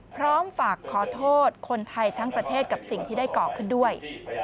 พร้อมฝากขอโทษคนไทยทั้งประเทศกับสิ่งที่ได้เกาะขึ้นด้วย